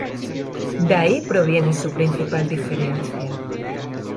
De ahí proviene su principal diferencia.